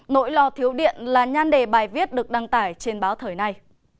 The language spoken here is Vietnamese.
nỗi lo thiếu điện là nhan đề bài viết được đăng tải trên báo thời nay